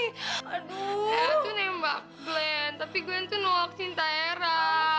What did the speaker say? era tuh nembak glenn tapi glenn tuh nolak cinta era